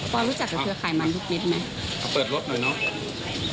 ปอล์รู้จักกับเครือขายมันทุกเม็ดไหม